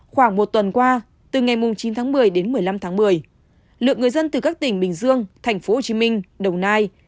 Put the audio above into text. khoảng một tuần qua từ ngày chín một mươi đến một mươi năm một mươi lượng người dân từ các tỉnh bình dương thành phố hồ chí minh đồng nai